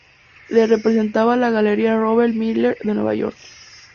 Le representaba la Galería Robert Miller de Nueva York.